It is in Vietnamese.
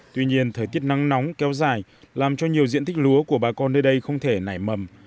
tuy nhiên thời tiết nắng nóng kéo dài làm cho nhiều diện tích lúa của bà con nơi đây không thể nảy mầm